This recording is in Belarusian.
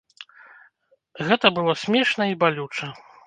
Гэта было смешна і балюча.